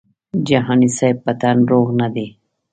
جهاني صاحب په تن روغ نه دی.